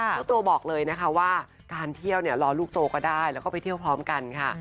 เจ้าตัวบอกเลยนะคะว่าการเที่ยวเนี่ยรอลูกโตก็ได้แล้วก็ไปเที่ยวพร้อมกันค่ะ